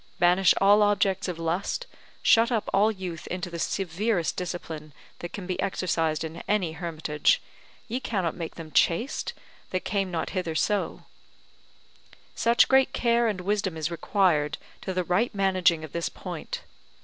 Banish all objects of lust, shut up all youth into the severest discipline that can be exercised in any hermitage, ye cannot make them chaste, that came not hither so; such great care and wisdom is required to the right managing of this point.